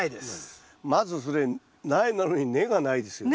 まずそれ苗なのに根がないですよね。